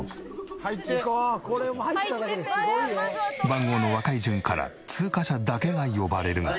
番号の若い順から通過者だけが呼ばれるが。